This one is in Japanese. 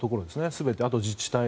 全て、あとは自治体。